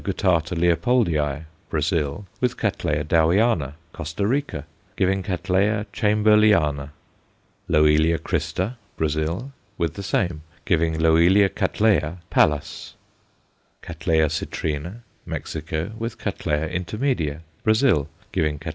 guttata Leopoldii_, Brazil, with Catt. Dowiana, Costa Rica, giving Catt. Chamberliana; Loelia crispa, Brazil, with the same, giving Loelio Cattleya Pallas; Catt. citrina, Mexico, with Catt. intermedia, Brazil, giving _Catt.